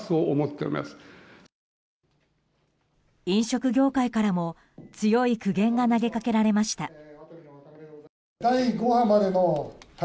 飲食業界からも強い苦言が投げかけられました。